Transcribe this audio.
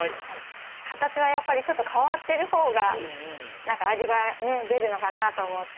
形は、やっぱりちょっと変わってるほうが味が出るのかなと思って。